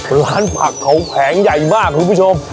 ร้านผักเขาแผงใหญ่มากคุณผู้ชม